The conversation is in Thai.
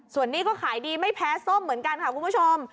ส่วนนี้ก็ขายดีไม่แพ้ส้มเหมือนกันค่ะคุณผู้ชม